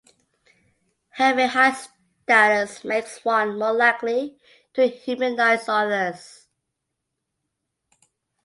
Having high status makes one more likely to dehumanize others.